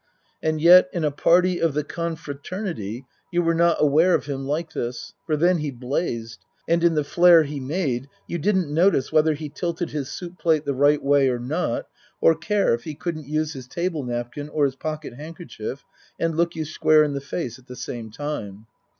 And yet in a party of the confraternity you were not aware of him like this. For then he blazed ; and in the flare he made you didn't notice whether he tilted his soup plate the right way or not, or care if he couldn't use his table napkin or his pocket handkerchief and look you square in the face at the same time.